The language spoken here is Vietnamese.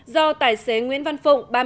do tài xế nguyễn văn phụng